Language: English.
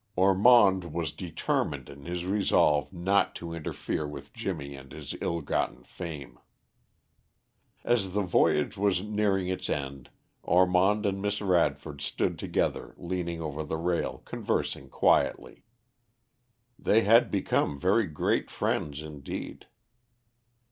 Ormond was determined in his resolve not to interfere with Jimmy and his ill gotten fame. As the voyage was nearing its end, Ormond and Miss Radford stood together leaning over the rail conversing quietly. They had become very great friends indeed.